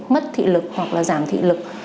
mất thị lực hoặc là giảm thị lực